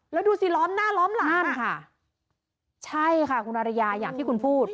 แล้วดูสิล้อมหน้าล้อมหลานค่ะใช่ค่ะคุณอริยาอย่างที่คุณพูด